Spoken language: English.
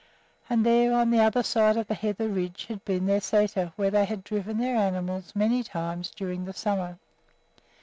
And there, on the other side of the heather ridge, had been their sæter, where they had driven their animals many times during the summer.